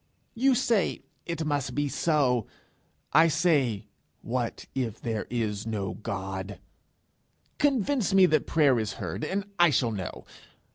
You say, "It must be so;" I say, "What if there is no God!" Convince me that prayer is heard, and I shall know.